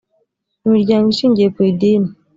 imiryango ishingiye ku idini.